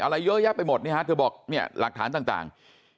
อะไรเยอะแยะไปหมดเนี่ยฮะเธอบอกเนี่ยหลักฐานต่าง